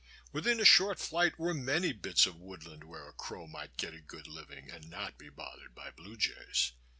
Within a short flight were many bits of woodland where a crow might get a good living and not be bothered by blue jays.